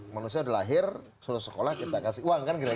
manusia sudah lahir seluruh sekolah kita kasih uang kan